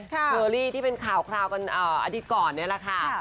เชอรี่ที่เป็นข่าวคราวกันอาทิตย์ก่อนนี่แหละค่ะ